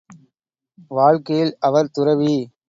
வாழ்க்கையில் அவர் துறவி.